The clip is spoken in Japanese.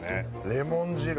レモン汁を？